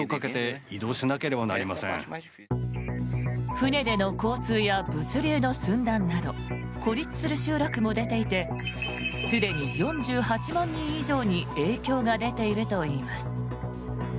船での交通や物流の寸断など孤立する集落も出ていてすでに４８万人以上に影響が出ているといいます。